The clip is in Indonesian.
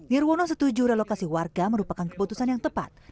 nirwono setuju relokasi warga merupakan keputusan yang tepat